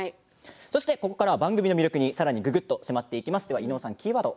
ここからは番組の魅力にぐぐっと迫っていきます。